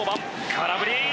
空振り。